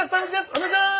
お願いします！